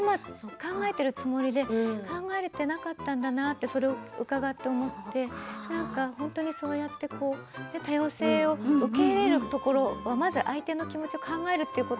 考えているつもりでも考えられていなかったのだとそれを見て本当にそうやって多様性を受け入れるところまず相手の気持ちを考えるということ